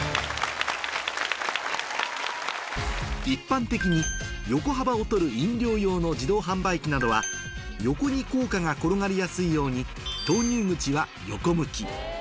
一般的に横幅を取る飲料用の自動販売機などは横に硬貨が転がりやすいように投入口は横向き